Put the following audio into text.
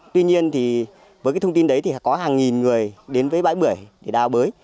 tuy nhiên với thông tin đấy có hàng nghìn người đến với bãi bưởi để đào bới